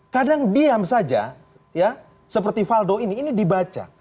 kadang diam saja seperti valdo ini ini dibaca